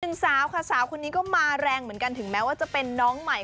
สาวค่ะสาวคนนี้ก็มาแรงเหมือนกันถึงแม้ว่าจะเป็นน้องใหม่